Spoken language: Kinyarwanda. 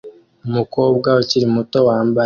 Umukobwa ukiri muto wambaye